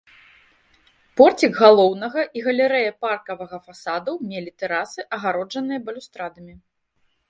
Порцік галоўнага і галерэя паркавага фасадаў мелі тэрасы, агароджаныя балюстрадамі.